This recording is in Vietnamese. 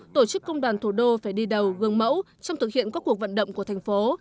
tổ chức công đoàn thủ đô phải đi đầu gương mẫu trong thực hiện các cuộc vận động của thành phố